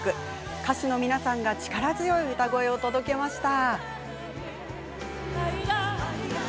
歌手の皆さんが力強い歌声を届けました。